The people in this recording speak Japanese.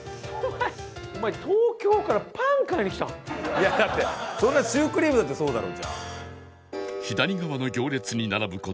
いやだってそれはシュークリームだってそうだろ。